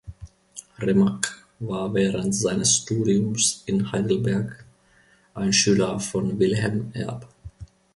Remak war während seines Studiums in Heidelberg ein Schüler von Wilhelm Erb.